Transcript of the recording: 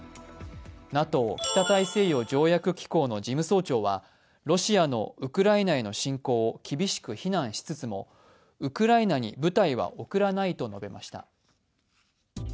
ＮＡＴＯ＝北大西洋条約機構の事務総長はロシアのウクライナへの侵攻を厳しく非難しつつもウクライナに部隊は送らないと述べました。